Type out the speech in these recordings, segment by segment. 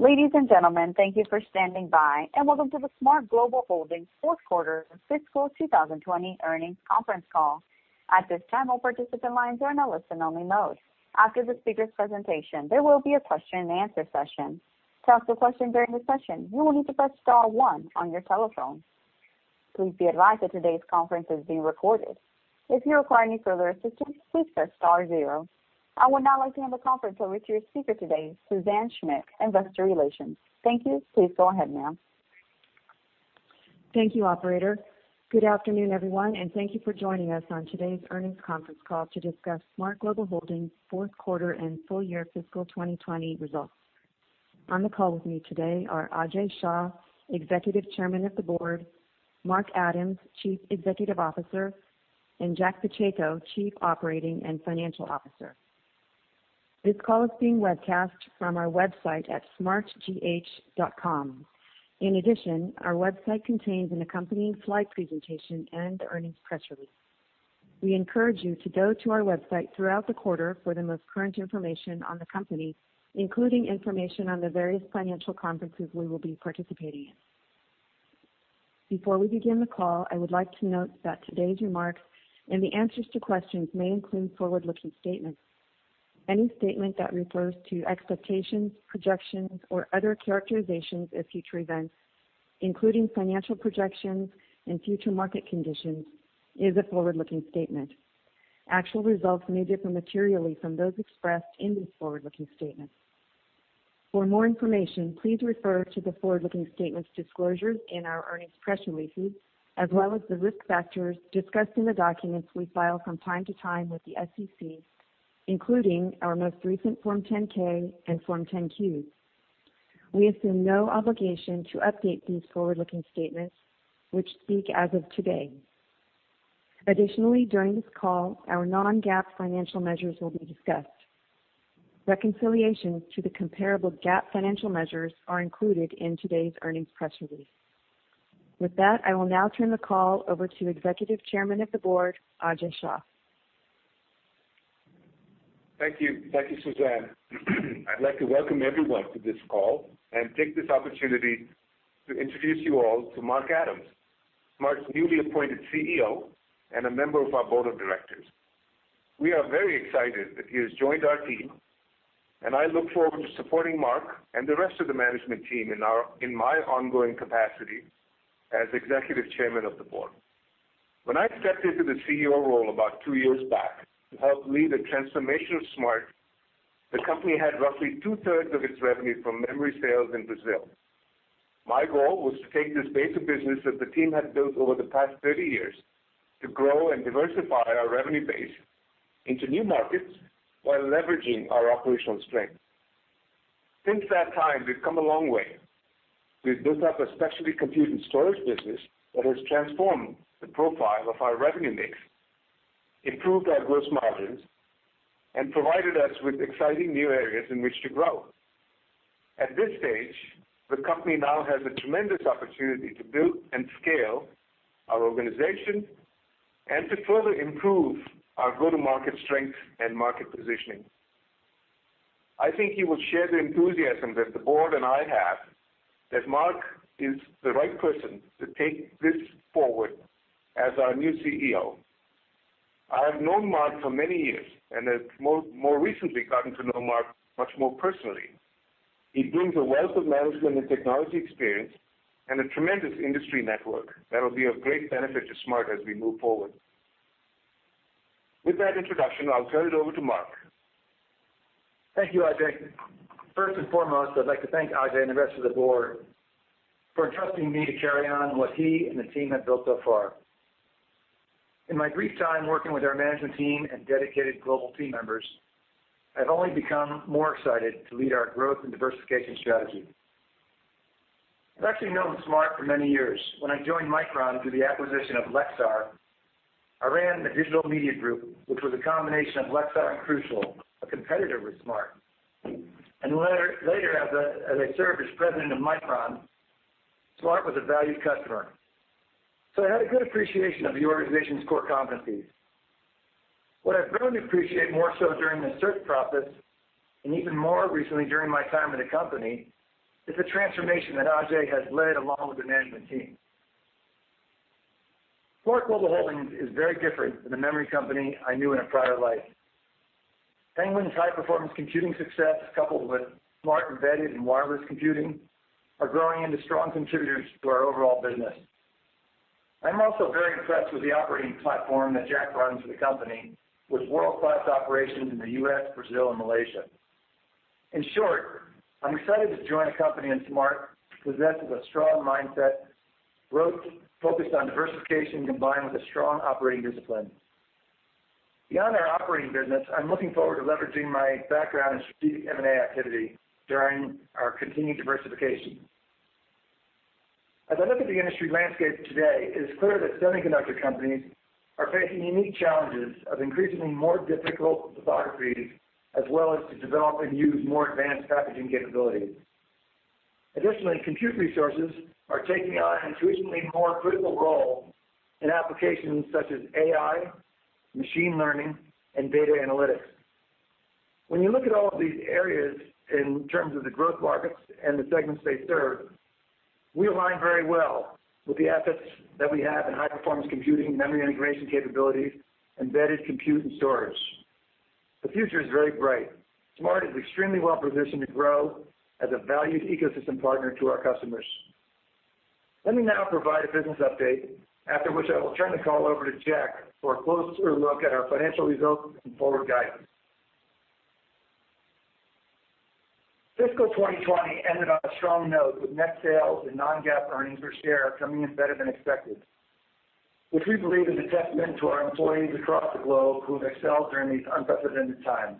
Ladies and gentlemen, thank you for standing by and welcome to the SMART Global Holdings fourth quarter and fiscal 2020 earnings conference call. After the speakers' presentation, there will be a question and answer session. Please be advised that today's conference is being recorded. I would now like to hand the conference over to your speaker today, Suzanne Schmidt, Investor Relations. Thank you. Please go ahead, ma'am. Thank you, operator. Good afternoon, everyone, and thank you for joining us on today's earnings conference call to discuss SMART Global Holdings' fourth quarter and full year fiscal 2020 results. On the call with me today are Ajay Shah, Executive Chairman of the Board, Mark Adams, Chief Executive Officer, and Jack Pacheco, Chief Operating and Financial Officer. This call is being webcast from our website at sghcorp.com. In addition, our website contains an accompanying slide presentation and the earnings press release. We encourage you to go to our website throughout the quarter for the most current information on the company, including information on the various financial conferences we will be participating in. Before we begin the call, I would like to note that today's remarks and the answers to questions may include forward-looking statements. Any statement that refers to expectations, projections, or other characterizations of future events, including financial projections and future market conditions, is a forward-looking statement. Actual results may differ materially from those expressed in these forward-looking statements. For more information, please refer to the forward-looking statements disclosures in our earnings press release, as well as the risk factors discussed in the documents we file from time to time with the SEC, including our most recent Form 10-K and Form 10-Qs. We assume no obligation to update these forward-looking statements, which speak as of today. Additionally, during this call, our non-GAAP financial measures will be discussed. Reconciliation to the comparable GAAP financial measures are included in today's earnings press release. With that, I will now turn the call over to Executive Chairman of the Board, Ajay Shah. Thank you. Thank you, Suzanne. I'd like to welcome everyone to this call and take this opportunity to introduce you all to Mark Adams, SMART's newly appointed CEO and a member of our board of directors. We are very excited that he has joined our team, and I look forward to supporting Mark and the rest of the management team in my ongoing capacity as Executive Chairman of the Board. When I stepped into the CEO role about two years back to help lead the transformation of SMART, the company had roughly two-thirds of its revenue from memory sales in Brazil. My goal was to take this base of business that the team had built over the past 30 years to grow and diversify our revenue base into new markets while leveraging our operational strength. Since that time, we've come a long way. We've built up a specialty compute and storage business that has transformed the profile of our revenue mix, improved our gross margins, and provided us with exciting new areas in which to grow. At this stage, the company now has a tremendous opportunity to build and scale our organization and to further improve our go-to-market strength and market positioning. I think you will share the enthusiasm that the board and I have that Mark is the right person to take this forward as our new CEO. I have known Mark for many years and have more recently gotten to know Mark much more personally. He brings a wealth of management and technology experience and a tremendous industry network that'll be of great benefit to SMART as we move forward. With that introduction, I'll turn it over to Mark. Thank you, Ajay. First and foremost, I'd like to thank Ajay and the rest of the board for entrusting me to carry on what he and the team have built so far. In my brief time working with our management team and dedicated global team members, I've only become more excited to lead our growth and diversification strategy. I've actually known SMART for many years. When I joined Micron through the acquisition of Lexar, I ran the Digital Media Group, which was a combination of Lexar and Crucial, a competitor with SMART. Later, as I served as president of Micron, SMART was a valued customer, so I had a good appreciation of the organization's core competencies. What I've grown to appreciate more so during the search process, and even more recently during my time at the company, is the transformation that Ajay has led along with the management team. SMART Global Holdings is very different than the memory company I knew in a prior life. Penguin Solutions' high-performance computing success, coupled with SMART Embedded Computing, are growing into strong contributors to our overall business. I'm also very impressed with the operating platform that Jack runs for the company, with world-class operations in the U.S., Brazil, and Malaysia. In short, I'm excited to join a company in SMART that possesses a strong mindset growth focused on diversification combined with a strong operating discipline. Beyond our operating business, I'm looking forward to leveraging my background in strategic M&A activity during our continued diversification. As I look at the industry landscape today, it is clear that semiconductor companies are facing unique challenges of increasingly more difficult lithography, as well as to develop and use more advanced packaging capabilities. Additionally, compute resources are taking on an increasingly more critical role in applications such as AI, machine learning, and data analytics. When you look at all of these areas in terms of the growth markets and the segments they serve, we align very well with the assets that we have in high-performance computing, memory integration capabilities, embedded compute, and storage. The future is very bright. SMART is extremely well-positioned to grow as a valued ecosystem partner to our customers. Let me now provide a business update, after which I will turn the call over to Jack for a closer look at our financial results and forward guidance. Fiscal 2020 ended on a strong note, with net sales and non-GAAP earnings per share coming in better than expected, which we believe is a testament to our employees across the globe who have excelled during these unprecedented times.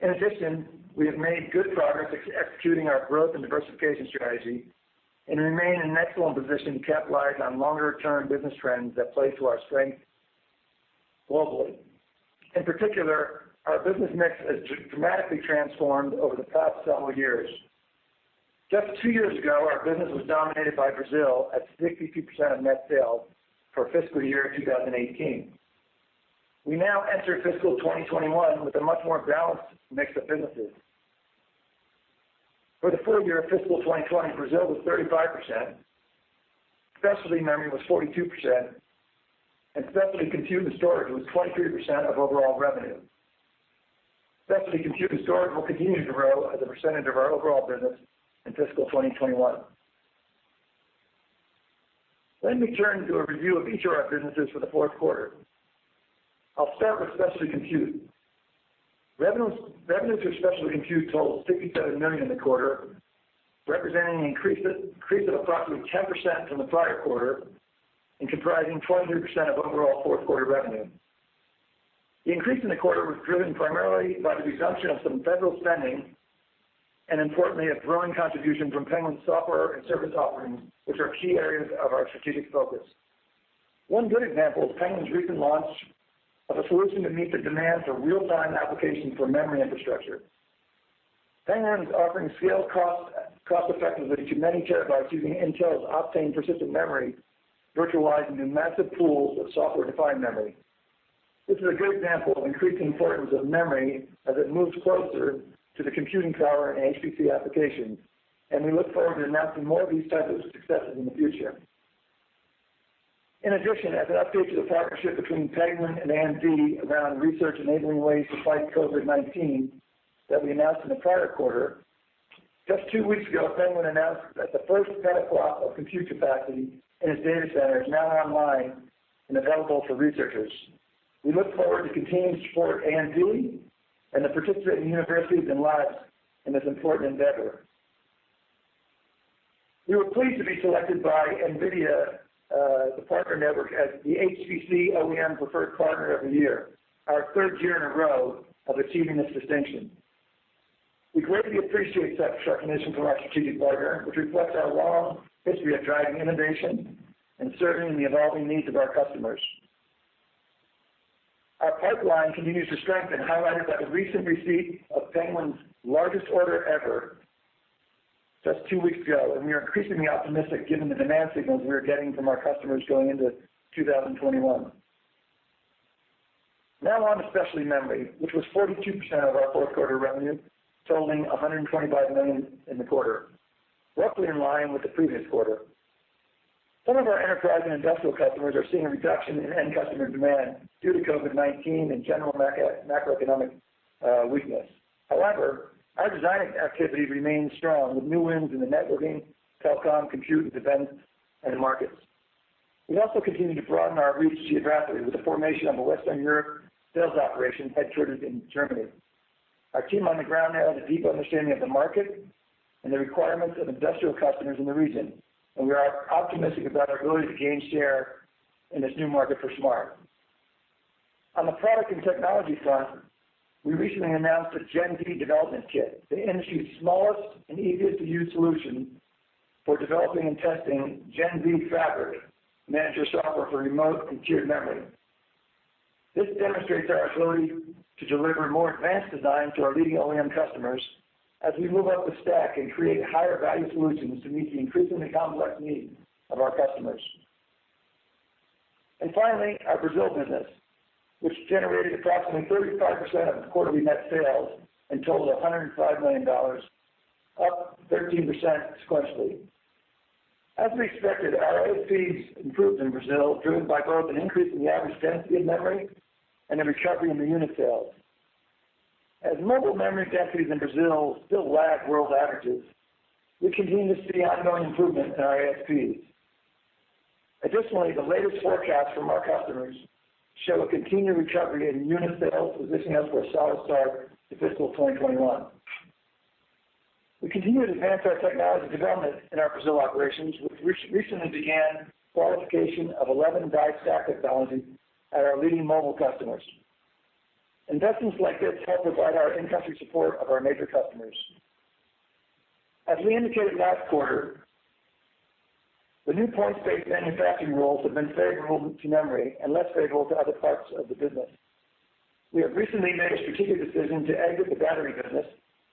In addition, we have made good progress executing our growth and diversification strategy, and remain in an excellent position to capitalize on longer-term business trends that play to our strength globally. In particular, our business mix has dramatically transformed over the past several years. Just two years ago, our business was dominated by Brazil at 62% of net sales for fiscal year 2018. We now enter fiscal 2021 with a much more balanced mix of businesses. For the full year of fiscal 2020, Brazil was 35%, specialty memory was 42%, and Specialty Compute and Storage was 23% of overall revenue. Specialty Compute and Storage will continue to grow as a percentage of our overall business in fiscal 2021. Let me turn to a review of each of our businesses for the fourth quarter. I'll start with Specialty Compute. Revenues for Specialty Compute totaled $67 million in the quarter, representing an increase of approximately 10% from the prior quarter and comprising 23% of overall fourth-quarter revenue. The increase in the quarter was driven primarily by the resumption of some federal spending and, importantly, a growing contribution from Penguin Computing and service offerings, which are key areas of our strategic focus. One good example is Penguin's recent launch of a solution to meet the demands of real-time applications for memory infrastructure. Penguin is offering scale cost-effectiveness of many terabytes using Intel's Optane persistent memory, virtualized into massive pools of software-defined memory. This is a great example of increased importance of memory as it moves closer to the computing power in HPC applications, and we look forward to announcing more of these types of successes in the future. In addition, as an update to the partnership between Penguin and AMD around research enabling ways to fight COVID-19 that we announced in the prior quarter, just two weeks ago, Penguin announced that the first petaflop of compute capacity in its data center is now online and available for researchers. We look forward to continuing to support AMD and the participating universities and labs in this important endeavor. We were pleased to be selected by NVIDIA, the partner network, as the HPC OEM Preferred Partner of the Year, our third year in a row of achieving this distinction. We greatly appreciate such recognition from our strategic partner, which reflects our long history of driving innovation and serving the evolving needs of our customers. Our pipeline continues to strengthen, highlighted by the recent receipt of Penguin's largest order ever just two weeks ago, and we are increasingly optimistic given the demand signals we are getting from our customers going into 2021. Now on to specialty memory, which was 42% of our fourth-quarter revenue, totaling $125 million in the quarter, roughly in line with the previous quarter. Some of our enterprise and industrial customers are seeing a reduction in end-customer demand due to COVID-19 and general macroeconomic weakness. However, our design activity remains strong with new wins in the networking, telecom, compute, and defense end markets. We also continue to broaden our reach geographically with the formation of a Western Europe sales operation headquartered in Germany. Our team on the ground there has a deep understanding of the market and the requirements of industrial customers in the region. We are optimistic about our ability to gain share in this new market for SMART. On the product and technology front, we recently announced a Gen-Z development kit, the industry's smallest and easiest-to-use solution for developing and testing Gen-Z fabric, manager software for remote compute memory. This demonstrates our ability to deliver more advanced design to our leading OEM customers as we move up the stack and create higher-value solutions to meet the increasingly complex needs of our customers. Finally, our Brazil business, which generated approximately 35% of quarterly net sales and totaled $105 million, up 13% sequentially. As we expected, our ASPs improved in Brazil, driven by both an increase in the average density of memory and a recovery in the unit sales. As mobile memory densities in Brazil still lag world averages, we continue to see ongoing improvement in our ASPs. Additionally, the latest forecasts from our customers show a continued recovery in unit sales, positioning us for a solid start to fiscal 2021. We continue to advance our technology development in our Brazil operations. We recently began qualification of 11 die stack technologies at our leading mobile customers. Investments like this help provide our in-country support of our major customers. As we indicated last quarter. The new points-based manufacturing rules have been favorable to memory and less favorable to other parts of the business. We have recently made a strategic decision to exit the battery business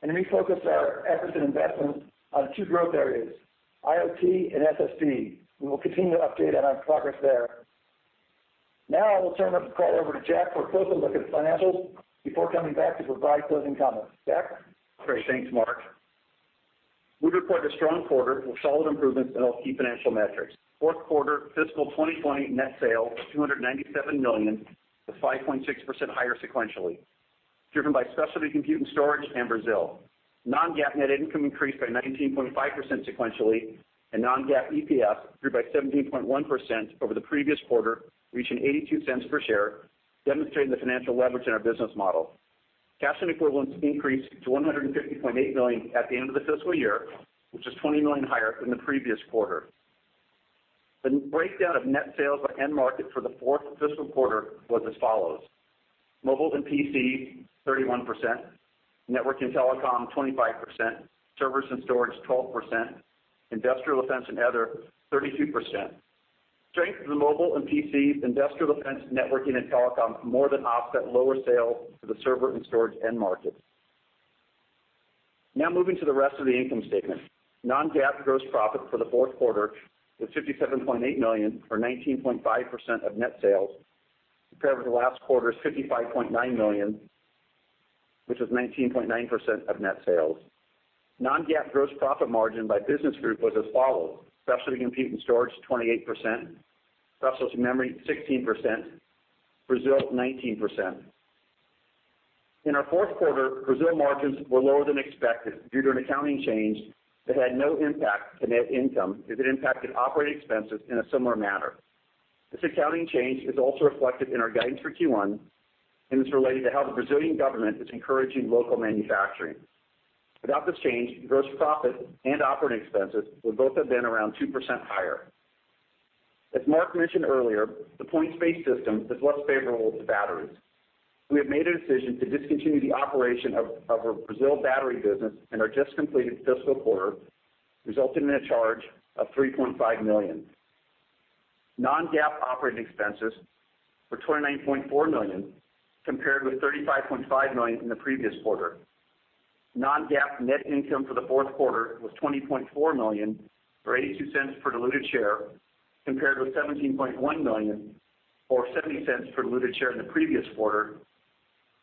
and refocus our efforts and investments on two growth areas, IoT and SSD. We will continue to update on our progress there. Now I will turn the call over to Jack for a closer look at financials before coming back to provide closing comments. Jack? Great. Thanks, Mark. We report a strong quarter with solid improvements in all key financial metrics. Fourth quarter fiscal 2020 net sales of $297 million was 5.6% higher sequentially, driven by Specialty Compute & Storage Solutions and Brazil. Non-GAAP net income increased by 19.5% sequentially, and non-GAAP EPS grew by 17.1% over the previous quarter, reaching $0.82 per share, demonstrating the financial leverage in our business model. Cash and equivalents increased to $150.8 million at the end of the fiscal year, which is $20 million higher than the previous quarter. The breakdown of net sales by end market for the fourth fiscal quarter was as follows: mobile and PC, 31%, network and telecom, 25%, servers and storage, 12%, industrial, defense, and other, 32%. Strength of the mobile and PC, industrial, defense, networking, and telecom more than offset lower sales to the server and storage end market. Now moving to the rest of the income statement. non-GAAP gross profit for the fourth quarter was $57.8 million, or 19.5% of net sales, compared with last quarter's $55.9 million, which was 19.9% of net sales. non-GAAP gross profit margin by business group was as follows: Specialty Compute and Storage, 28%, Specialty Memory, 16%, Brazil, 19%. In our fourth quarter, Brazil margins were lower than expected due to an accounting change that had no impact to net income, as it impacted operating expenses in a similar manner. This accounting change is also reflected in our guidance for Q1 and is related to how the Brazilian government is encouraging local manufacturing. Without this change, gross profit and operating expenses would both have been around 2% higher. As Mark mentioned earlier, the points-based system is less favorable to batteries. We have made a decision to discontinue the operation of our Brazil battery business in our just completed fiscal quarter, resulting in a charge of $3.5 million. Non-GAAP operating expenses were $29.4 million, compared with $35.5 million in the previous quarter. Non-GAAP net income for the fourth quarter was $20.4 million, or $0.82 per diluted share, compared with $17.1 million or $0.70 per diluted share in the previous quarter.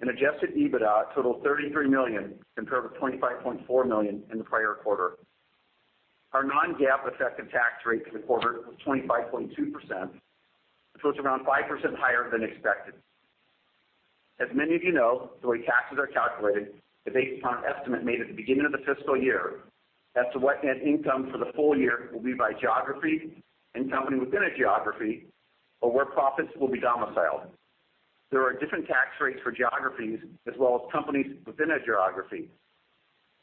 Adjusted EBITDA totaled $33 million, compared with $25.4 million in the prior quarter. Our non-GAAP effective tax rate for the quarter was 25.2%, which was around 5% higher than expected. As many of you know, the way taxes are calculated is based upon an estimate made at the beginning of the fiscal year as to what net income for the full year will be by geography and company within a geography or where profits will be domiciled. There are different tax rates for geographies as well as companies within a geography.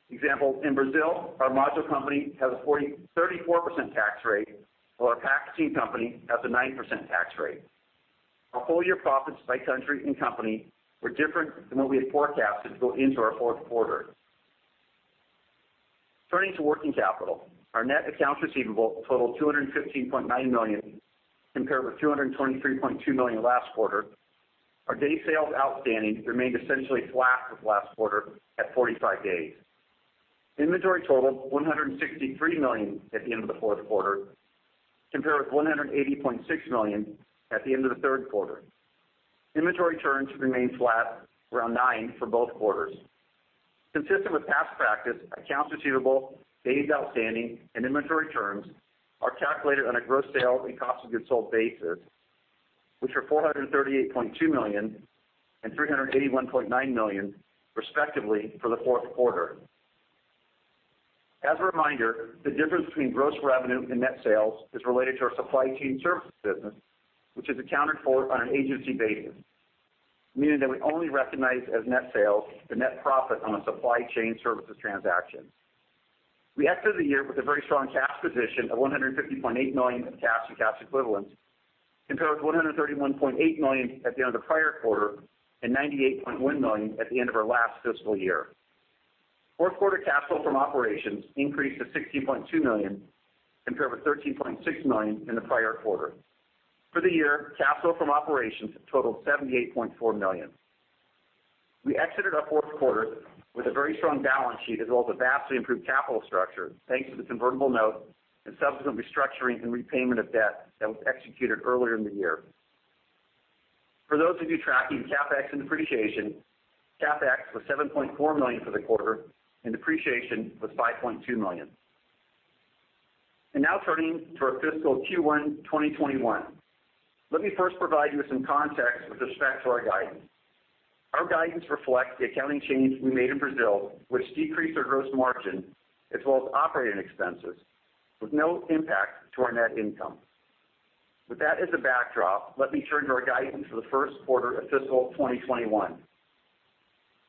Example, in Brazil, our module company has a 34% tax rate, while our packaging company has a 9% tax rate. Our full-year profits by country and company were different than what we had forecasted going into our fourth quarter. Turning to working capital, our net accounts receivable totaled $215.9 million, compared with $223.2 million last quarter. Our day sales outstanding remained essentially flat with last quarter at 45 days. Inventory totaled $163 million at the end of the fourth quarter, compared with $180.6 million at the end of the third quarter. Inventory turns remained flat, around nine for both quarters. Consistent with past practice, accounts receivable, days outstanding, and inventory turns are calculated on a gross sale and cost of goods sold basis, which were $438.2 million and $381.9 million, respectively, for the fourth quarter. As a reminder, the difference between gross revenue and net sales is related to our supply chain services business, which is accounted for on an agency basis, meaning that we only recognize as net sales the net profit on a supply chain services transaction. We exited the year with a very strong cash position of $150.8 million in cash and cash equivalents, compared with $131.8 million at the end of the prior quarter and $98.1 million at the end of our last fiscal year. Fourth quarter cash flow from operations increased to $16.2 million, compared with $13.6 million in the prior quarter. For the year, cash flow from operations totaled $78.4 million. We exited our fourth quarter with a very strong balance sheet as well as a vastly improved capital structure, thanks to the convertible note and subsequent restructuring and repayment of debt that was executed earlier in the year. For those of you tracking CapEx and depreciation, CapEx was $7.4 million for the quarter, and depreciation was $5.2 million. Now turning to our fiscal Q1 2021. Let me first provide you with some context with respect to our guidance. Our guidance reflects the accounting change we made in Brazil, which decreased our gross margin as well as operating expenses with no impact to our net income. With that as a backdrop, let me turn to our guidance for the first quarter of fiscal 2021.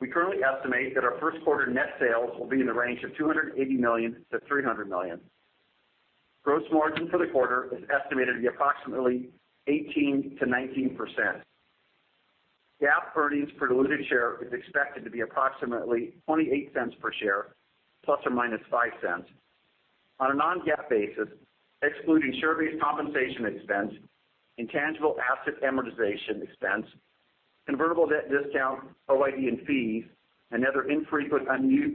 We currently estimate that our first quarter net sales will be in the range of $280 million-$300 million. Gross margin for the quarter is estimated to be approximately 18%-19%. GAAP earnings per diluted share is expected to be approximately $0.28 per share, ±$0.05. On a non-GAAP basis, excluding share-based compensation expense, intangible asset amortization expense, convertible debt discount, OID, and fees, and other infrequent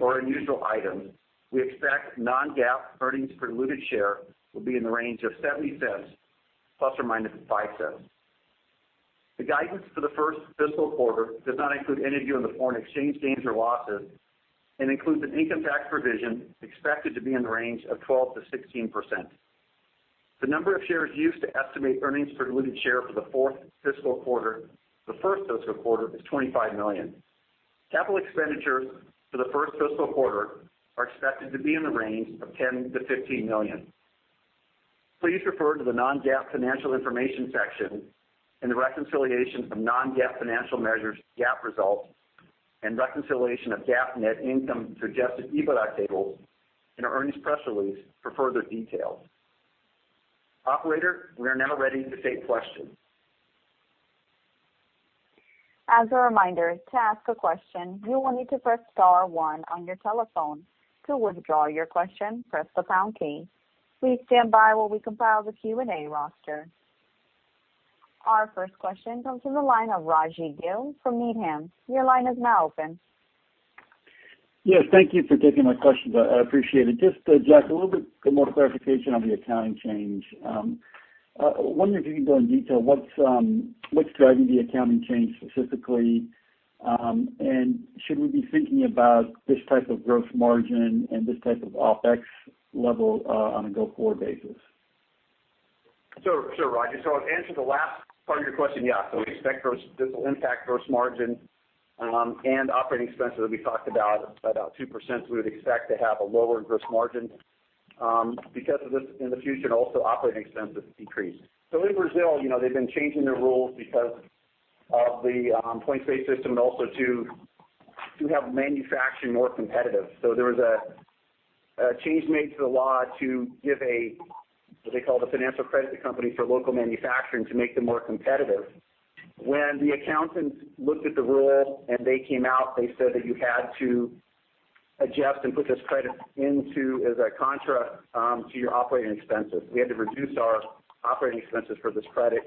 or unusual items, we expect non-GAAP earnings per diluted share will be in the range of $0.70 ± $0.05. The guidance for the first fiscal quarter does not include any view on the foreign exchange gains or losses and includes an income tax provision expected to be in the range of 12%-16%. The number of shares used to estimate earnings per diluted share for the fourth fiscal quarter to the first fiscal quarter is 25 million. Capital expenditures for the first fiscal quarter are expected to be in the range of $10 million-$15 million. Please refer to the non-GAAP financial information section and the reconciliation of non-GAAP financial measures to GAAP results, and reconciliation of GAAP net income to adjusted EBITDA table in our earnings press release for further details. Operator, we are now ready to take questions. As a reminder, to ask a question, you will need to press star one on your telephone. To withdraw your question, press the pound key. Please stand by while we compile the Q&A roster. Our first question comes from the line of Rajvi Gill from Needham. Your line is now open. Yes. Thank you for taking my question. I appreciate it. Jack, a little bit more clarification on the accounting change. I wonder if you can go in detail what's driving the accounting change specifically, and should we be thinking about this type of gross margin and this type of OpEx level on a go-forward basis? Sure, Rajvi. To answer the last part of your question, yeah. We expect this will impact gross margin and operating expenses. We talked about 2%. We would expect to have a lower gross margin because of this in the future, and also operating expenses to decrease. In Brazil, they've been changing their rules because of the points-based system and also to have manufacturing more competitive. There was a change made to the law to give a, what they call, a financial credit to companies for local manufacturing to make them more competitive. When the accountants looked at the rule and they came out, they said that you had to adjust and put this credit into as a contra to your operating expenses. We had to reduce our operating expenses for this credit,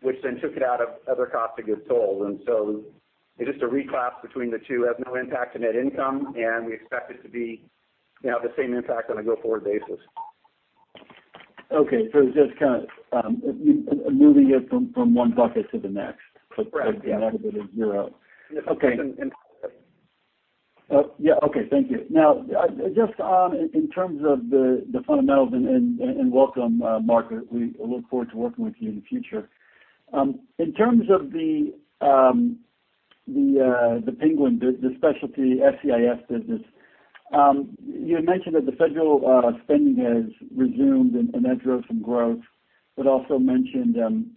which then took it out of other cost of goods sold. It's just a re-class between the two, has no impact to net income, and we expect it to have the same impact on a go-forward basis. Okay. just kind of moving it from one bucket to the next. Correct. Yeah. The net of it is zero. Yeah. Okay. Yeah. Okay. Thank you. Just in terms of the fundamentals, and welcome, Mark. We look forward to working with you in the future. In terms of the Penguin, the specialty SCSS business, you had mentioned that the federal spending has resumed, and that drove some growth, but also mentioned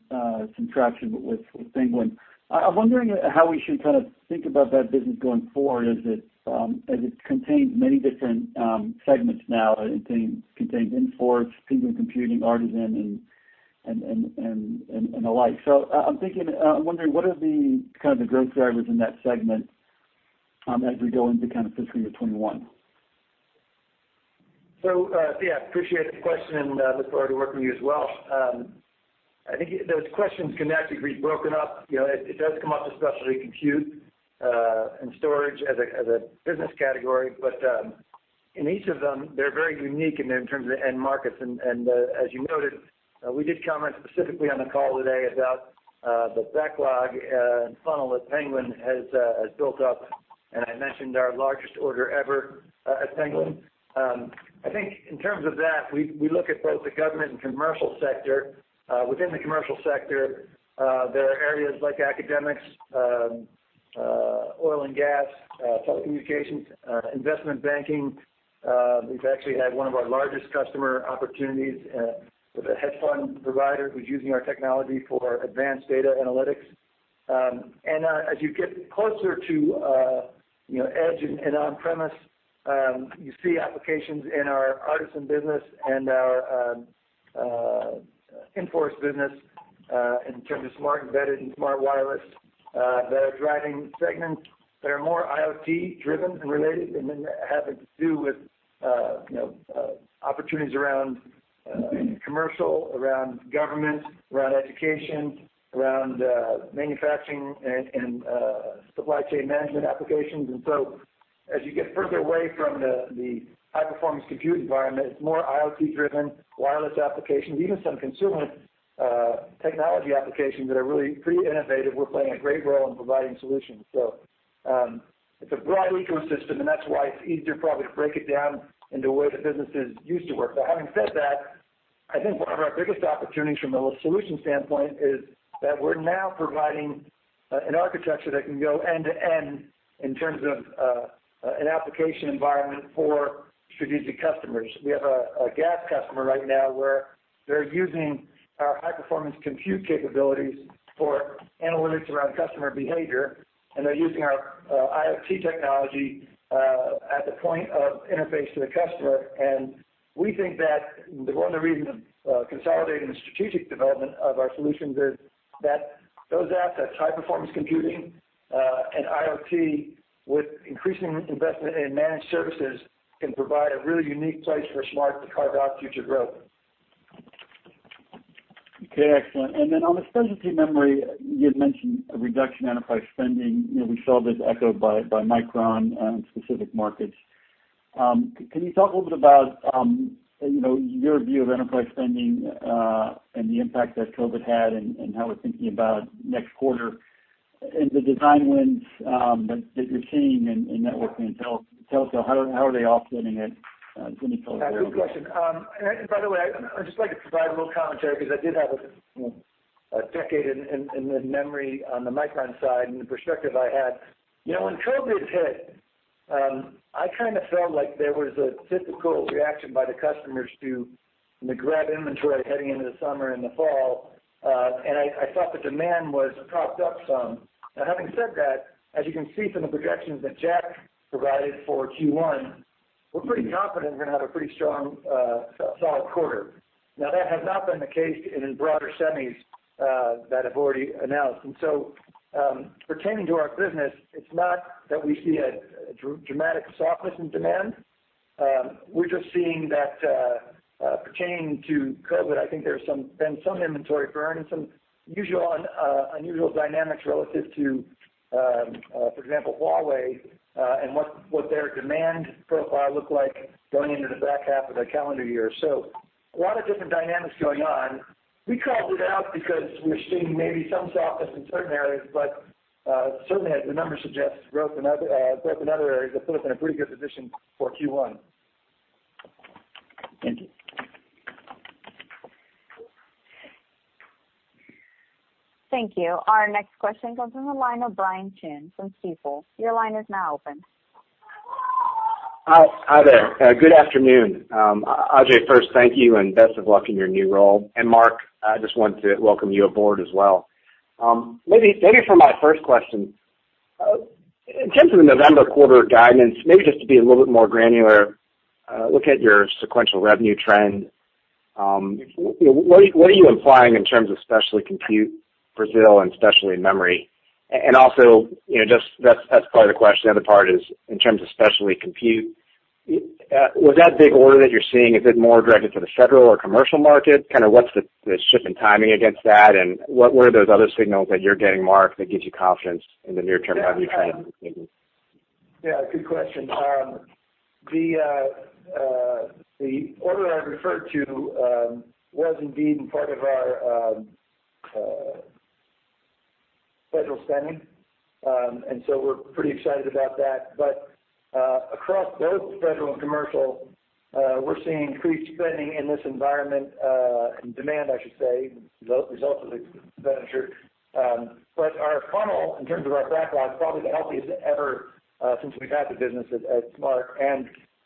some traction with Penguin. I'm wondering how we should think about that business going forward, as it contains many different segments now. It contains Inforce, Penguin Computing, Artesyn, and the like. I'm wondering, what are the growth drivers in that segment as we go into fiscal year 2021? Yeah. Appreciate the question, and look forward to working with you as well. I think those questions can actually be broken up. It does come up as Specialty Compute & Storage as a business category. In each of them, they're very unique in terms of end markets. As you noted, we did comment specifically on the call today about the backlog and funnel that Penguin has built up, and I mentioned our largest order ever at Penguin. I think in terms of that, we look at both the government and commercial sector. Within the commercial sector, there are areas like academics, oil and gas, telecommunications, investment banking. We've actually had one of our largest customer opportunities with a hedge fund provider who's using our technology for advanced data analytics. As you get closer to edge and on-premise, you see applications in our Artesyn business and our Inforce business in terms of SMART Embedded and SMART Wireless that are driving segments that are more IoT driven and related, and then having to do with opportunities around commercial, around government, around education, around manufacturing and supply chain management applications. As you get further away from the high-performance compute environment, it's more IoT driven, wireless applications, even some consumer technology applications that are really pretty innovative. We're playing a great role in providing solutions. It's a broad ecosystem, and that's why it's easier probably to break it down into the way the businesses used to work. Having said that, I think one of our biggest opportunities from a solution standpoint is that we're now providing an architecture that can go end to end in terms of an application environment for strategic customers. We have a gas customer right now where they're using our high-performance compute capabilities for analytics around customer behavior, and they're using our IoT technology at the point of interface to the customer. We think that one of the reasons of consolidating the strategic development of our solutions is that those assets, high-performance computing and IoT. With increasing investment in managed services can provide a really unique place for SMART to carve out future growth. Okay, excellent. On the specialty memory, you had mentioned a reduction in enterprise spending. We saw this echoed by Micron on specific markets. Can you talk a little bit about your view of enterprise spending, and the impact that COVID-19 had, and how we're thinking about next quarter and the design wins that you're seeing in networking and telco? How are they offsetting it? Give me color there? Yeah, good question. By the way, I'd just like to provide a little commentary because I did have a decade in the memory on the Micron side and the perspective I had. When COVID hit, I felt like there was a typical reaction by the customers to grab inventory heading into the summer and the fall. I thought the demand was propped up some. Now, having said that, as you can see from the projections that Jack provided for Q1, we're pretty confident we're going to have a pretty strong, solid quarter. Now, that has not been the case in broader semis that have already announced. Pertaining to our business, it's not that we see a dramatic softness in demand. We're just seeing that pertaining to COVID, I think there's been some inventory burn and some unusual dynamics relative to, for example, Huawei, and what their demand profile looked like going into the back half of the calendar year. A lot of different dynamics going on. We called it out because we're seeing maybe some softness in certain areas, but certainly as the numbers suggest, growth in other areas that put us in a pretty good position for Q1. Thank you. Thank you. Our next question comes from the line of Brian Chin from Stifel. Your line is now open. Hi there. Good afternoon. Ajay, first, thank you and best of luck in your new role. Mark, I just wanted to welcome you aboard as well. Maybe for my first question, in terms of the November quarter guidance, maybe just to be a little bit more granular, looking at your sequential revenue trend, what are you implying in terms of Specialty Compute Brazil and specialty memory? Also, that's part of the question, the other part is in terms of specialty compute, was that big order that you're seeing, is it more directed to the federal or commercial market? What's the ship and timing against that, and what are those other signals that you're getting, Mark, that gives you confidence in the near-term revenue trend maybe? Yeah, good question. The order I referred to was indeed part of our federal spending. We're pretty excited about that. Across both federal and commercial, we're seeing increased spending in this environment, demand, I should say, the result of the expenditure. Our funnel, in terms of our backlog, is probably the healthiest ever since we've had the business at SMART.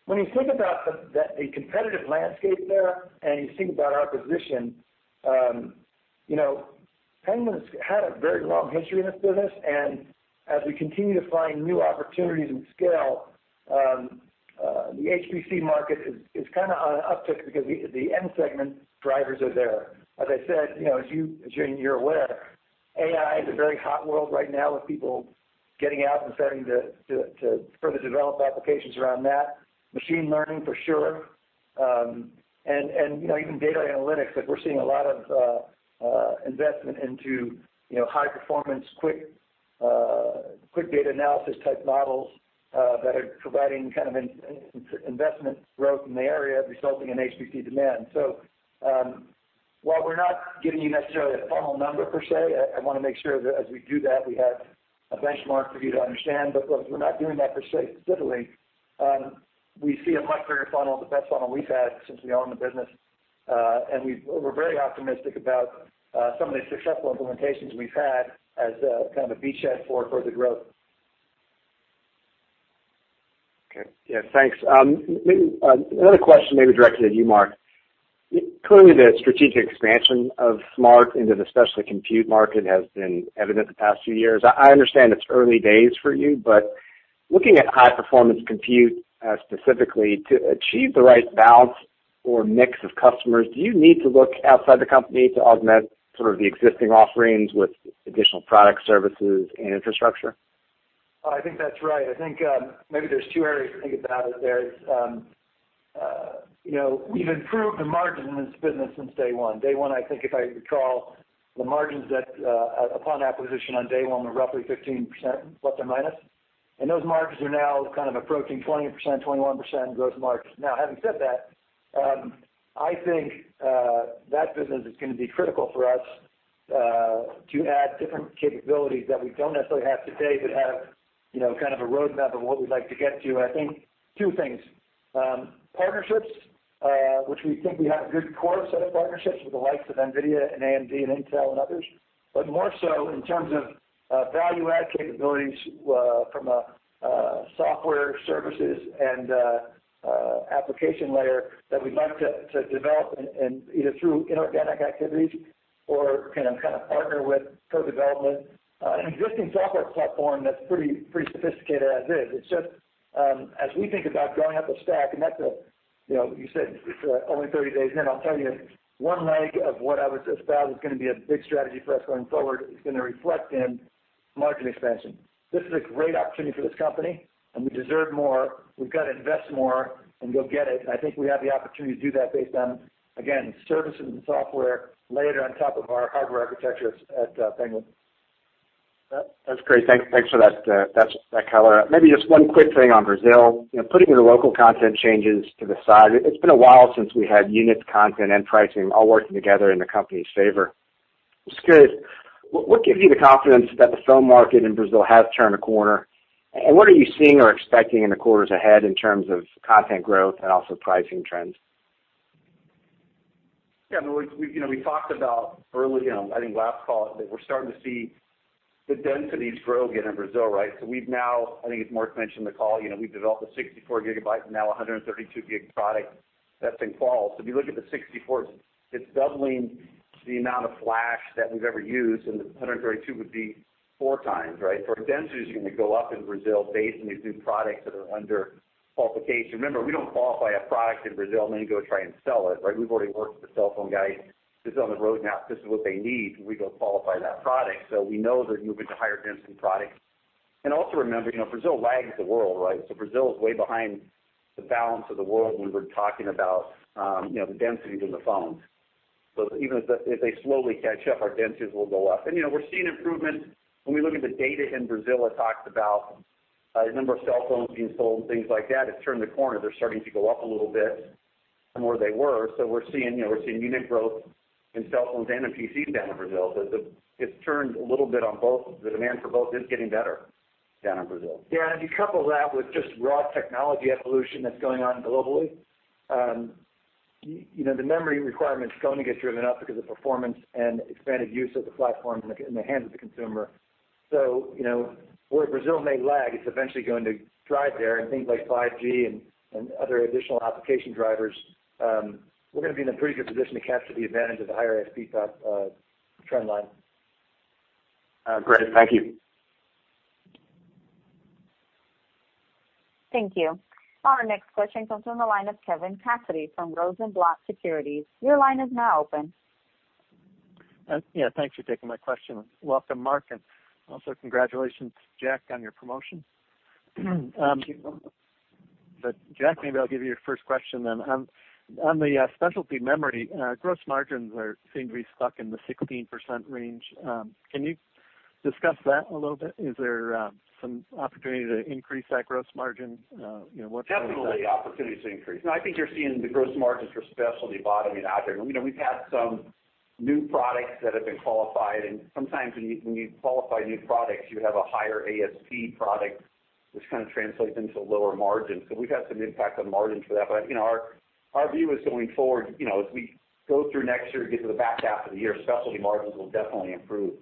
When you think about the competitive landscape there, and you think about our position, Penguin's had a very long history in this business, and as we continue to find new opportunities and scale, the HPC market is on an uptick because the end segment drivers are there. As I said, as you're aware, AI is a very hot world right now with people getting out and starting to further develop applications around that. Machine learning, for sure, even data analytics, like we're seeing a lot of investment into high performance, quick data analysis type models that are providing investment growth in the area, resulting in HPC demand. While we're not giving you necessarily a funnel number per se, I want to make sure that as we do that, we have a benchmark for you to understand, look, we're not doing that per se specifically. We see a much bigger funnel, the best funnel we've had since we owned the business. We're very optimistic about some of the successful implementations we've had as a beachhead for further growth. Okay. Yeah, thanks. Another question maybe directed at you, Mark. Clearly, the strategic expansion of SMART into the Specialty Compute market has been evident the past few years. I understand it's early days for you, looking at high performance compute specifically to achieve the right balance or mix of customers, do you need to look outside the company to augment sort of the existing offerings with additional product services and infrastructure? I think that's right. I think maybe there's two areas to think about it there. We've improved the margin in this business since day one. Day one, I think if I recall, the margins that upon acquisition on day one were roughly 15%, plus or minus. Those margins are now kind of approaching 20%, 21% gross margins. Now, having said that, I think that business is going to be critical for us to add different capabilities that we don't necessarily have today, but have a roadmap of what we'd like to get to. I think two things. Partnerships, which we think we have a good core set of partnerships with the likes of NVIDIA and AMD and Intel and others. More so in terms of value add capabilities from a software services and application layer that we'd like to develop and either through inorganic activities or partner with co-development. An existing software platform that's pretty sophisticated as is. It's just as we think about going up the stack. You said it's only 30 days in. I'll tell you, one leg of what I would espouse is going to be a big strategy for us going forward is going to reflect in margin expansion. This is a great opportunity for this company, and we deserve more. We've got to invest more and go get it. I think we have the opportunity to do that based on, again, services and software layered on top of our hardware architectures at Penguin. That's great. Thanks for that color. Maybe just one quick thing on Brazil. Putting the local content changes to the side, it's been a while since we had unit content and pricing all working together in the company's favor. Just curious, what gives you the confidence that the phone market in Brazil has turned a corner? What are you seeing or expecting in the quarters ahead in terms of content growth and also pricing trends? Yeah, we talked about early, I think last call, that we're starting to see the densities grow again in Brazil, right? We've now, I think as Mark mentioned in the call, we've developed a 64 GB, now 132 GB product that's in call. If you look at the 64, it's doubling the amount of flash that we've ever used, and the 132 would be four times, right? Our density is going to go up in Brazil based on these new products that are under qualification. Remember, we don't qualify a product in Brazil and then go try and sell it, right? We've already worked with the cell phone guys that's on the roadmap. This is what they need, and we go qualify that product. We know they're moving to higher density products. Also remember, Brazil lags the world, right? Brazil is way behind the balance of the world when we're talking about the densities in the phones. Even as they slowly catch up, our densities will go up. We're seeing improvement when we look at the data in Brazil that talks about the number of cell phones being sold and things like that. It's turned the corner. They're starting to go up a little bit from where they were. We're seeing unit growth in cell phones and in PCs down in Brazil. It's turned a little bit on both. The demand for both is getting better down in Brazil. Yeah, if you couple that with just raw technology evolution that is going on globally, the memory requirement is going to get driven up because of performance and expanded use of the platform in the hands of the consumer. Where Brazil may lag, it is eventually going to drive there and things like 5G and other additional application drivers, we are going to be in a pretty good position to capture the advantage of the higher ASP trend line. Great. Thank you. Thank you. Our next question comes from the line of Kevin Cassidy from Rosenblatt Securities. Your line is now open. Yeah. Thanks for taking my question. Welcome, Mark, and also congratulations, Jack, on your promotion. Thank you. Jack, maybe I'll give you the first question then. On the specialty memory, gross margins seem to be stuck in the 16% range. Can you discuss that a little bit? Is there some opportunity to increase that gross margin? Definitely opportunity to increase. No, I think you're seeing the gross margins for specialty bottoming out there. We've had some new products that have been qualified, and sometimes when you qualify new products, you have a higher ASP product, which kind of translates into lower margin. We've had some impact on margin for that. Our view is going forward, as we go through next year, get to the back half of the year, specialty margins will definitely improve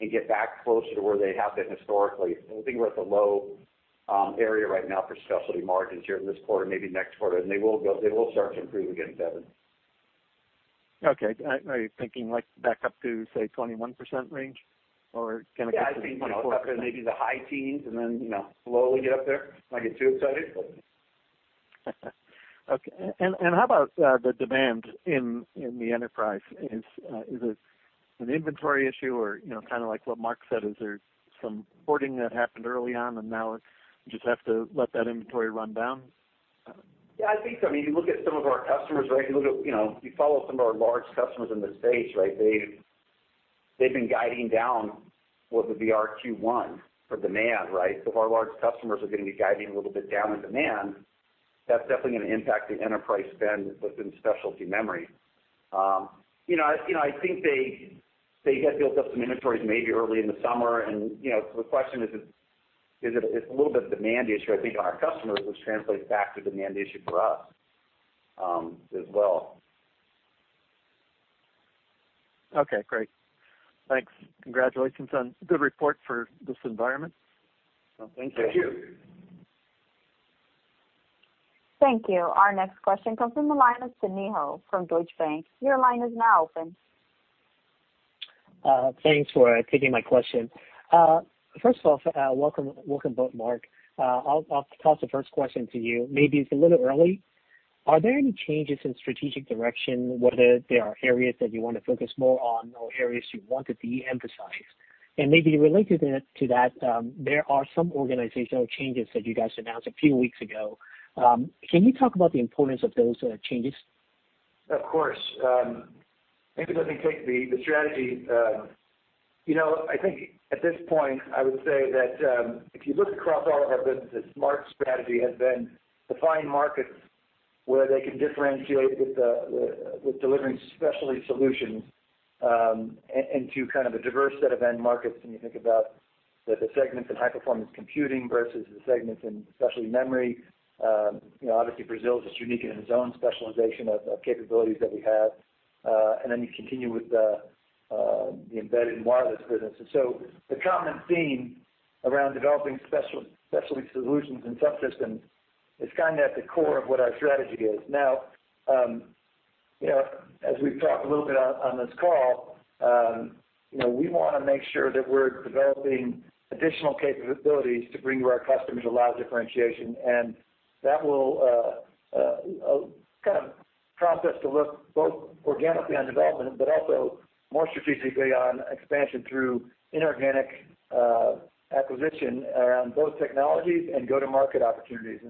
and get back closer to where they have been historically. I think we're at the low area right now for specialty margins here in this quarter, maybe next quarter, and they will start to improve again, Kevin. Okay. Are you thinking like back up to, say, 21% range or can it get to 24%? Yeah, I think it's up in maybe the high teens and then slowly get up there. Okay. How about the demand in the enterprise? Is it an inventory issue or kind of like what Mark said, is there some porting that happened early on and now you just have to let that inventory run down? Yeah, I think so. I mean, you look at some of our customers, right? You follow some of our large customers in the space, right? They've been guiding down what would be our Q1 for demand, right? If our large customers are going to be guiding a little bit down in demand, that's definitely going to impact the enterprise spend within specialty memory. I think they had built up some inventories maybe early in the summer, and the question is, it's a little bit of a demand issue, I think, on our customers, which translates back to a demand issue for us as well. Okay, great. Thanks. Congratulations on a good report for this environment. Thank you. Thank you. Thank you. Our next question comes from the line of Sidney Ho from Deutsche Bank. Your line is now open. Thanks for taking my question. First of all, welcome both. Mark, I'll toss the first question to you. Maybe it's a little early. Are there any changes in strategic direction, whether there are areas that you want to focus more on or areas you want to de-emphasize? Maybe related to that, there are some organizational changes that you guys announced a few weeks ago. Can you talk about the importance of those changes? Of course. Maybe let me take the strategy. I think at this point, I would say that if you look across all of our business, SMART's strategy has been to find markets where they can differentiate with delivering specialty solutions into kind of a diverse set of end markets. When you think about the segments in high-performance computing versus the segments in specialty memory, obviously Brazil is just unique in its own specialization of capabilities that we have. Then you continue with the embedded and wireless business. So the common theme around developing specialty solutions and subsystems is kind of at the core of what our strategy is. As we've talked a little bit on this call, we want to make sure that we're developing additional capabilities to bring to our customers a lot of differentiation. That will prompt us to look both organically on development, but also more strategically on expansion through inorganic acquisition around both technologies and go-to-market opportunities.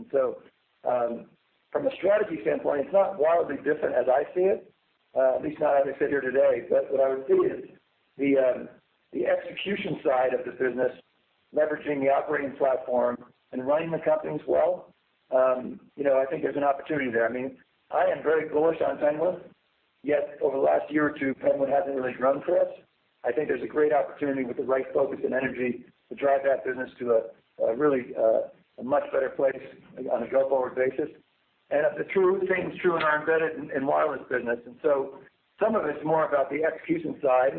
From a strategy standpoint, it's not wildly different as I see it, at least not as I sit here today. What I would say is the execution side of the business, leveraging the operating platform and running the companies well, I think there's an opportunity there. I am very bullish on Penguin, yet over the last year or two, Penguin hasn't really grown for us. I think there's a great opportunity with the right focus and energy to drive that business to a really much better place on a go-forward basis. The true thing is true in our embedded and wireless business. Some of it's more about the execution side.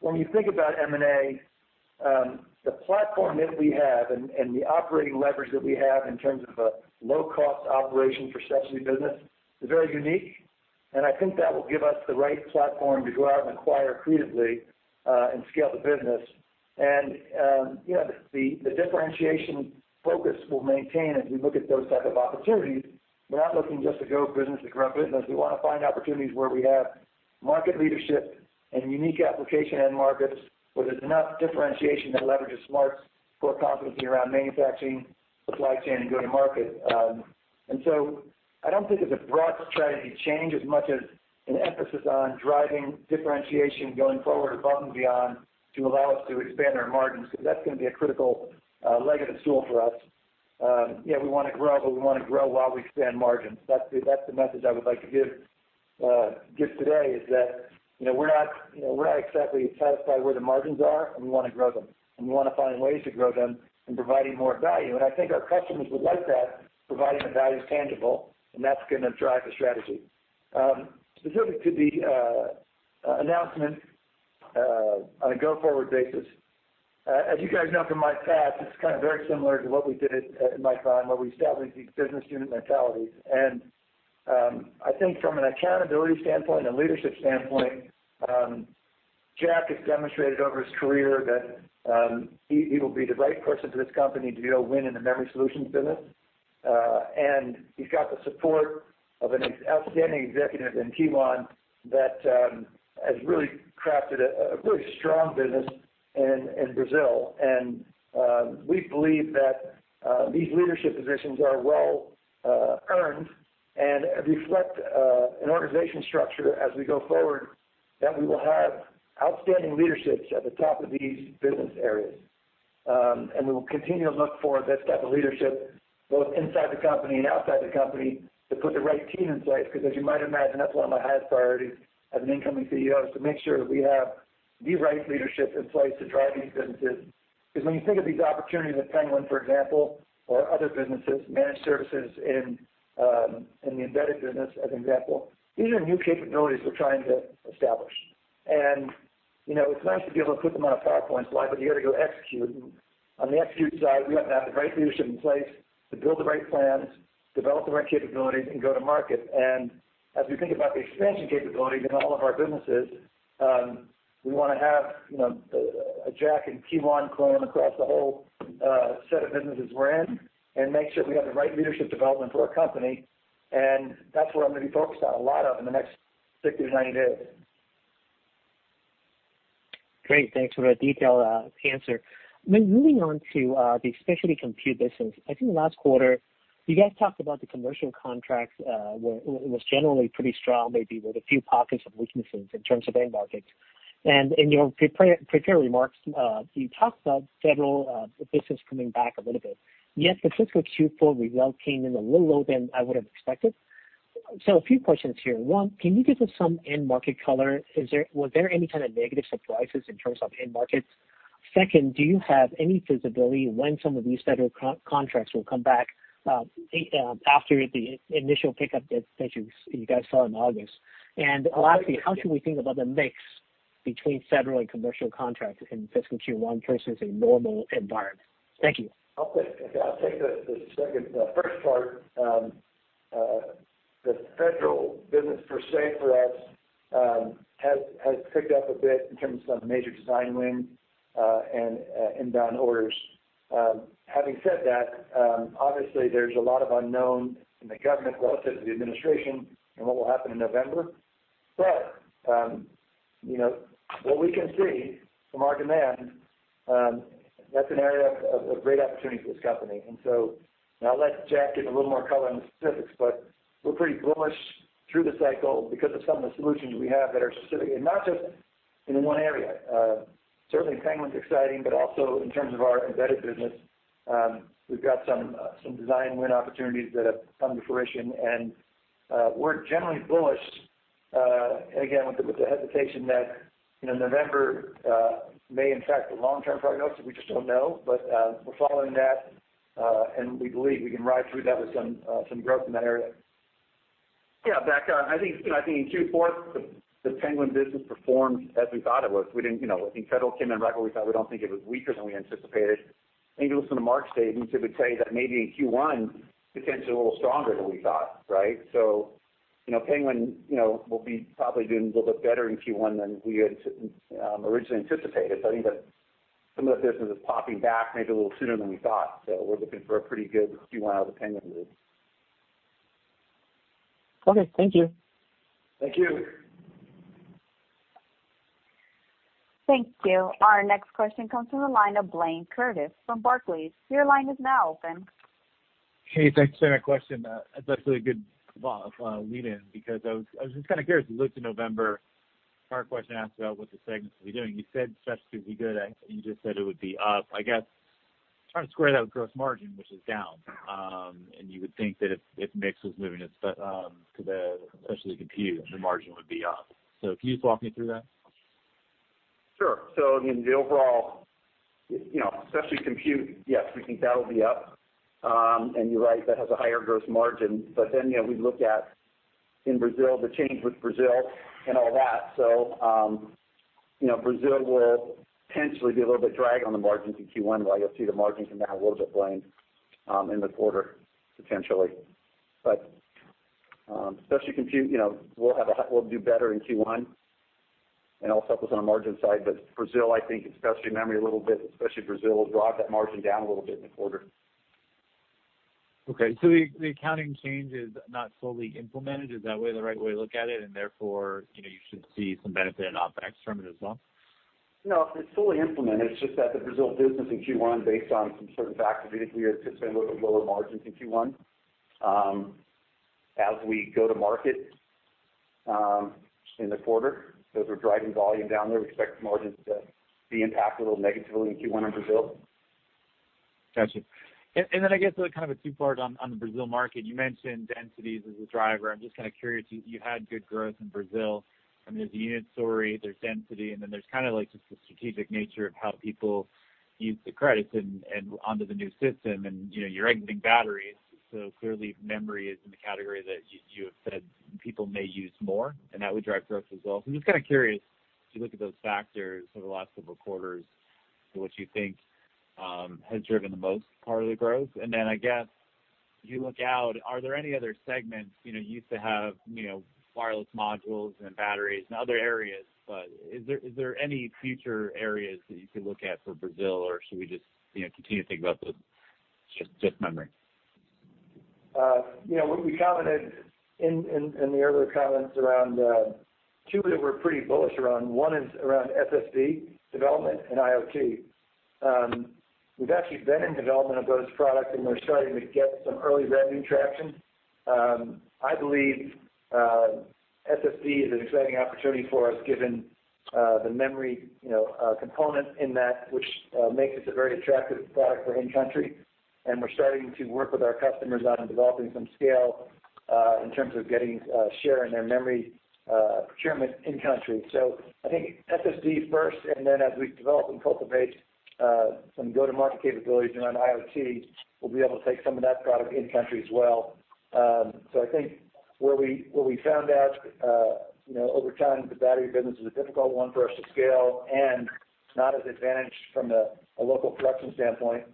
When you think about M&A, the platform that we have and the operating leverage that we have in terms of a low-cost operation for specialty business is very unique, and I think that will give us the right platform to go out and acquire creatively, and scale the business. The differentiation focus we'll maintain as we look at those type of opportunities. We're not looking just to grow business for growth business. We want to find opportunities where we have market leadership and unique application end markets, where there's enough differentiation that leverages SMART's core competency around manufacturing, supply chain, and go-to-market. I don't think it's a broad strategy change as much as an emphasis on driving differentiation going forward above and beyond to allow us to expand our margins, because that's going to be a critical leg of the stool for us. We want to grow, but we want to grow while we expand margins. That's the message I would like to give today, is that we're not exactly satisfied where the margins are, and we want to grow them. We want to find ways to grow them and providing more value. I think our customers would like that, providing the value is tangible, and that's going to drive the strategy. Specific to the announcement, on a go-forward basis, as you guys know from my past, it's very similar to what we did at Micron, where we established these business unit mentalities. I think from an accountability standpoint and leadership standpoint, Jack has demonstrated over his career that he will be the right person for this company to go win in the memory solutions business. He's got the support of an outstanding executiveand team on that has really crafted a really strong business in Brazil. We believe that these leadership positions are well-earned and reflect an organization structure as we go forward, that we will have outstanding leaderships at the top of these business areas. We will continue to look for this type of leadership, both inside the company and outside the company, to put the right team in place, because as you might imagine, that's one of my highest priorities as an incoming CEO, is to make sure that we have the right leadership in place to drive these businesses. When you think of these opportunities with Penguin, for example, or other businesses, managed services in the embedded business, as an example, these are new capabilities we're trying to establish. It's nice to be able to put them on a PowerPoint slide, but you got to go execute. On the execute side, we have to have the right leadership in place to build the right plans, develop the right capabilities, and go to market. As we think about the expansion capabilities in all of our businesses, we want to have a Jack and Kiwan clone across the whole set of businesses we're in and make sure we have the right leadership development for our company, and that's what I'm going to be focused on a lot of in the next 60-90 days. Great. Thanks for the detailed answer. Moving on to the specialty compute business. I think last quarter, you guys talked about the commercial contracts, where it was generally pretty strong, maybe with a few pockets of weaknesses in terms of end markets. In your prepared remarks, you talked about federal business coming back a little bit, yet the fiscal Q4 result came in a little lower than I would've expected. A few questions here. One, can you give us some end market color? Was there any kind of negative surprises in terms of end markets? Second, do you have any visibility when some of these federal contracts will come back after the initial pickup that you guys saw in August? Lastly, how should we think about the mix between federal and commercial contracts in fiscal Q1 versus a normal environment? Thank you. Okay. I'll take the first part. The federal business per se for us has picked up a bit in terms of major design wins, and inbound orders. Having said that, obviously, there's a lot of unknown in the government relative to the administration and what will happen in November. What we can see from our demand, that's an area of great opportunity for this company. I'll let Jack give a little more color on the specifics, but we're pretty bullish through the cycle because of some of the solutions we have that are specific and not just in one area. Certainly Penguin's exciting, but also in terms of our embedded business, we've got some design win opportunities that have come to fruition, and we're generally bullish, again, with the hesitation that November may impact the long-term prognosis, we just don't know. We're following that, and we believe we can ride through that with some growth in that area. Back on, I think in Q4, the Penguin business performed as we thought it would. I think Federal came in right where we thought. We don't think it was weaker than we anticipated. Maybe listen to Mark's statement, he would tell you that maybe in Q1, potentially a little stronger than we thought. Right? Penguin will be probably doing a little bit better in Q1 than we had originally anticipated. I think that some of the business is popping back maybe a little sooner than we thought. We're looking for a pretty good Q1 out of Penguin Solutions. Okay, thank you. Thank you. Thank you. Our next question comes from the line of Blayne Curtis from Barclays. Your line is now open. Hey, thanks. Another question. That's a really good lead-in because I was just kind of curious, you looked to November. Part of the question asked about what the segments will be doing. You said Specialty would be good. You just said it would be up. I guess I'm trying to square that with gross margin, which is down. You would think that if mix was moving, Specialty Compute, the margin would be up. Can you just walk me through that? Sure. Again, the overall, specialty compute, yes, we think that'll be up. You're right, that has a higher gross margin. We look at in Brazil, the change with Brazil and all that. Brazil will potentially be a little bit drag on the margins in Q1, where you'll see the margins come down a little bit, Blayne, in the quarter, potentially. Especially compute, we'll do better in Q1, and it'll help us on the margin side. Brazil, I think, specialty memory a little bit, especially Brazil, will drive that margin down a little bit in the quarter. Okay. The accounting change is not fully implemented, is that the right way to look at it? Therefore, you should see some benefit in OpEx from it as well? No, it's fully implemented. It's just that the Brazil business in Q1, based on some certain factors we anticipated, a little bit lower margins in Q1. As we go to market in the quarter, so if we're driving volume down there, we expect margins to be impacted a little negatively in Q1 in Brazil. Got you. I guess kind of a two-part on the Brazil market. You mentioned densities as a driver. I'm just kind of curious, you had good growth in Brazil, and there's a unit story, there's density, and then there's kind of the strategic nature of how people use the credits and onto the new system. You're exiting batteries, so clearly memory is in the category that you have said people may use more, and that would drive growth as well. I'm just kind of curious, as you look at those factors over the last couple of quarters, what you think has driven the most part of the growth? I guess, as you look out, are there any other segments, you used to have wireless modules and batteries and other areas, but is there any future areas that you can look at for Brazil, or should we just continue to think about just memory? What we commented in the earlier comments around two that we're pretty bullish around, one is around SSD development and IoT. We've actually been in development of those products, and we're starting to get some early revenue traction. I believe SSD is an exciting opportunity for us given the memory component in that, which makes this a very attractive product for in-country. We're starting to work with our customers on developing some scale, in terms of getting share in their memory procurement in-country. I think SSD first, and then as we develop and cultivate some go-to-market capabilities around IoT, we'll be able to take some of that product in-country as well. I think what we found out, over time, the battery business is a difficult one for us to scale, and it's not as advantaged from a local production standpoint.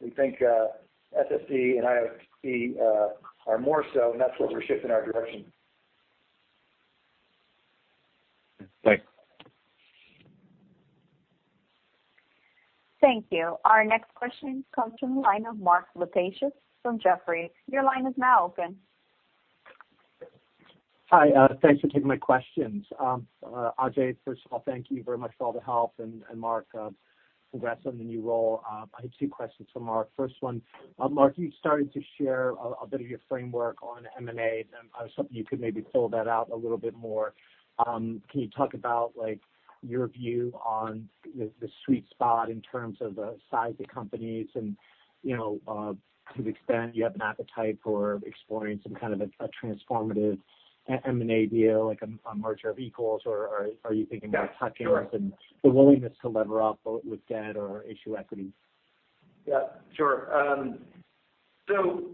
We think SSD and IoT are more so, and that's where we're shifting our direction. Thanks. Thank you. Our next question comes from the line of Mark Lipacis from Jefferies. Your line is now open. Hi. Thanks for taking my questions. Ajay, first of all, thank you very much for all the help, and Mark, congrats on the new role. I have two questions for Mark. First one, Mark, you started to share a bit of your framework on M&A. I was hoping you could maybe fill that out a little bit more. Can you talk about your view on the sweet spot in terms of the size of companies, and to the extent you have an appetite for exploring some kind of a transformative M&A deal, like a merger of equals, or are you thinking about tuck-ins and the willingness to lever up with debt or issue equity? Yeah, sure. For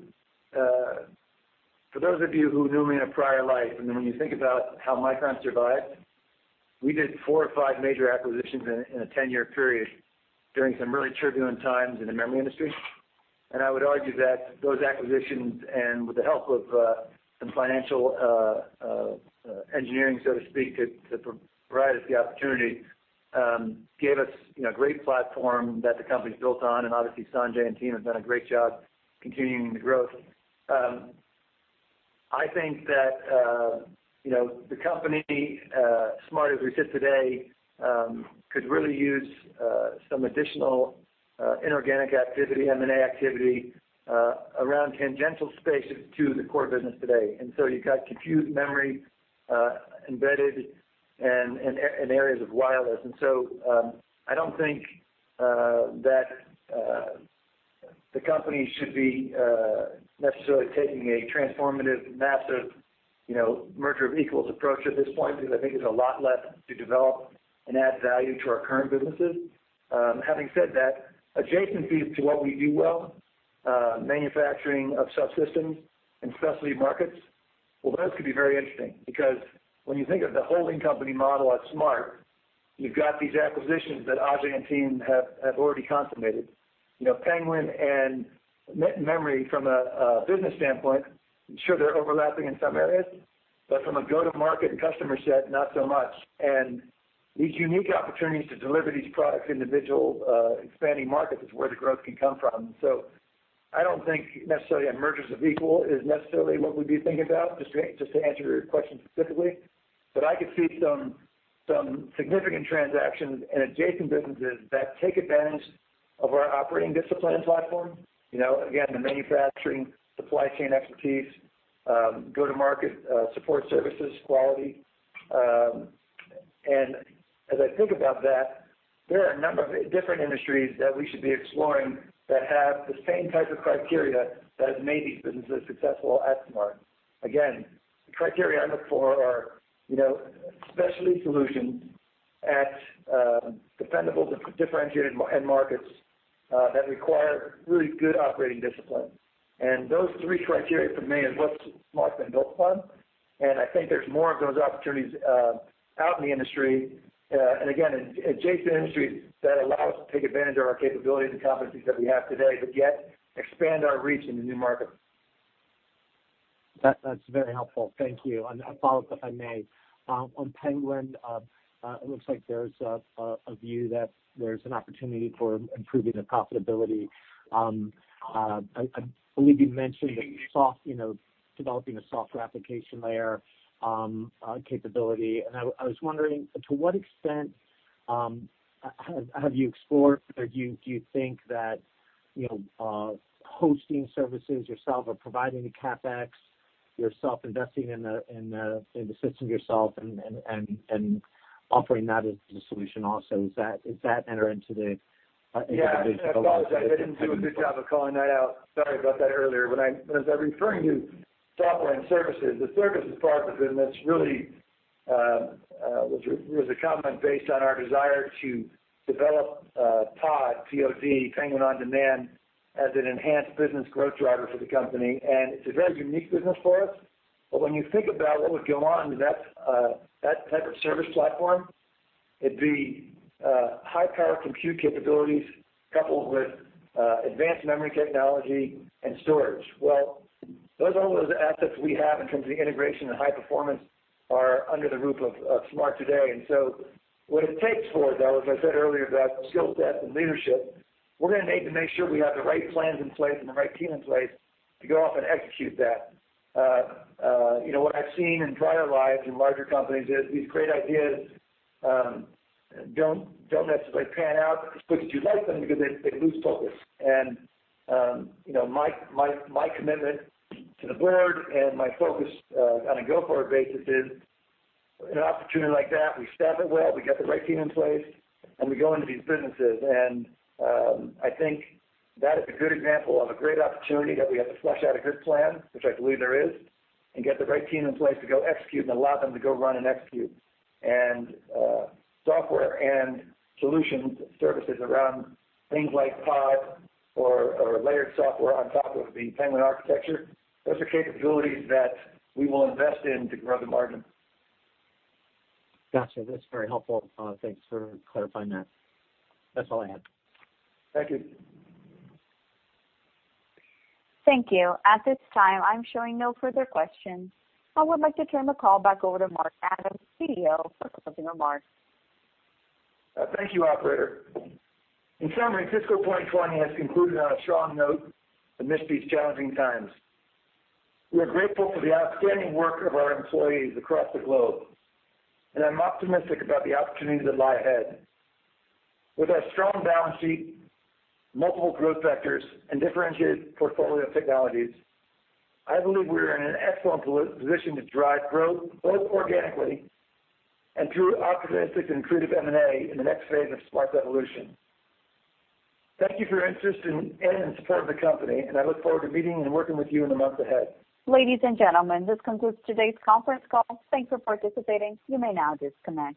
those of you who knew me in a prior life, and when you think about how Micron survived, we did four or five major acquisitions in a 10-year period during some really turbulent times in the memory industry. I would argue that those acquisitions, and with the help of some financial engineering, so to speak, to provide us the opportunity, gave us a great platform that the company's built on. Obviously, Sanjay and team have done a great job continuing the growth. I think that the company, SMART as we sit today, could really use some additional inorganic activity, M&A activity, around tangential spaces to the core business today. You've got compute memory, embedded, and areas of wireless. I don't think that the company should be necessarily taking a transformative, massive merger of equals approach at this point, because I think there's a lot left to develop and add value to our current businesses. Having said that, adjacent piece to what we do well, manufacturing of subsystems in specialty markets Those could be very interesting because when you think of the holding company model at SMART, you've got these acquisitions that Ajay and team have already consummated. Penguin and memory from a business standpoint, sure they're overlapping in some areas, but from a go-to-market customer set, not so much. These unique opportunities to deliver these products to individual expanding markets is where the growth can come from. I don't think necessarily a mergers of equals is necessarily what we'd be thinking about, just to answer your question specifically. I could see some significant transactions in adjacent businesses that take advantage of our operating discipline and platform, again, the manufacturing, supply chain expertise, go-to-market support services quality. As I think about that, there are a number of different industries that we should be exploring that have the same type of criteria that made these businesses successful at SMART. Again, the criteria I look for are specialty solutions at dependable, differentiated end markets that require really good operating discipline. Those three criteria for me is what SMART's been built upon. I think there's more of those opportunities out in the industry. Again, adjacent industries that allow us to take advantage of our capabilities and competencies that we have today, but yet expand our reach into new markets. That's very helpful. Thank you. A follow-up, if I may. On Penguin, it looks like there's a view that there's an opportunity for improving the profitability. I believe you mentioned developing a software application layer capability. I was wondering to what extent have you explored or do you think that hosting services yourself or providing the CapEx yourself, investing in the system yourself and offering that as a solution also? Is that entering into the? Yeah. I apologize. I didn't do a good job of calling that out. Sorry about that earlier. As I was referring to software and services, the services part of the business really was a comment based on our desire to develop POD, P-O-D, Penguin On Demand, as an enhanced business growth driver for the company. It's a very unique business for us. When you think about what would go on to that type of service platform, it'd be high-power compute capabilities coupled with advanced memory technology and storage. Well, those are all those assets we have in terms of the integration and high performance are under the roof of SMART today. What it takes for it, though, as I said earlier about skill set and leadership, we're going to need to make sure we have the right plans in place and the right team in place to go off and execute that. What I've seen in prior lives in larger companies is these great ideas don't necessarily pan out as quickly as you'd like them because they lose focus. My commitment to the board and my focus on a go-forward basis is an opportunity like that, we staff it well, we get the right team in place, and we go into these businesses. I think that is a good example of a great opportunity that we have to flesh out a good plan, which I believe there is, and get the right team in place to go execute and allow them to go run and execute. Software and solution services around things like POD or layered software on top of the Penguin architecture, those are capabilities that we will invest in to grow the margin. Got you. That's very helpful. Thanks for clarifying that. That's all I had. Thank you. Thank you. At this time, I'm showing no further questions. I would like to turn the call back over to Mark Adams, CEO, for closing remarks. Thank you, operator. In summary, fiscal 2020 has concluded on a strong note amidst these challenging times. We are grateful for the outstanding work of our employees across the globe, and I'm optimistic about the opportunities that lie ahead. With our strong balance sheet, multiple growth vectors, and differentiated portfolio of technologies, I believe we are in an excellent position to drive growth both organically and through opportunistic and accretive M&A in the next phase of SMART's evolution. Thank you for your interest in and support of the company, and I look forward to meeting and working with you in the months ahead. Ladies and gentlemen, this concludes today's conference call. Thanks for participating. You may now disconnect.